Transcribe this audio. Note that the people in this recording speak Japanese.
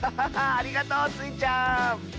ありがとうスイちゃん！